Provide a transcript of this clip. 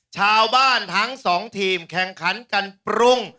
ชาวบ้านทั้ง๒ทีมแข่งขันกันปรุง